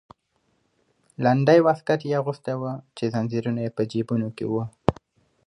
لنډی واسکټ یې اغوستی و چې زنځیرونه یې په جیبونو کې وو.